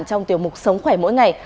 trong tiều mục sống khỏe mỗi ngày